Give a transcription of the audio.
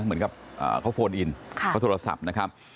เหมือนกับเขาโฟนอินเขาโทรศัพท์นะครับ